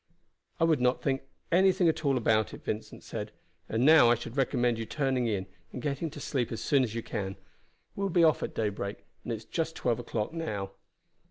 "I would not think anything at all about it," Vincent said. "And now I should recommend your turning in, and getting to sleep as soon as you can. We will be off at daybreak, and it is just twelve o'clock now."